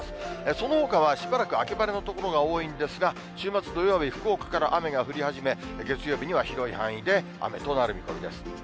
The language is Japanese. そのほかはしばらく秋晴れの所が多いんですが、週末土曜日、福岡から雨が降り始め、月曜日には広い範囲で雨となる見込みです。